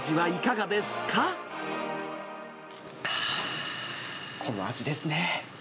あー、この味ですね。